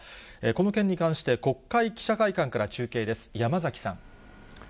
この件に関して、国会記者会館から中継です。